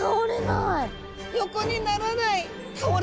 横にならない！